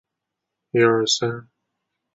古穆瓦人口变化图示